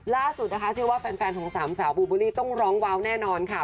ล่าสุดนะคะเชื่อว่าแฟนของสามสาวบูบูลลี่ต้องร้องว้าวแน่นอนค่ะ